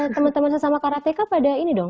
teman teman yang sama karateka pada ini dong